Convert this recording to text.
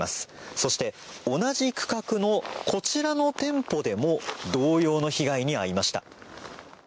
そして同じ区画のこちらの店舗でも同様の被害に遭いました。